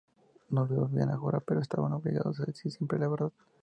No volvían a jurar, pues estaban obligados a decir siempre la verdad.